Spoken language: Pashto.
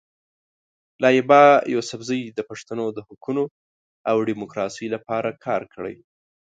لایبا یوسفزۍ د پښتنو د حقونو او ډیموکراسۍ لپاره کار کړی.